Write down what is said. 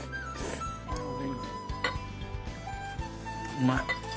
うまい。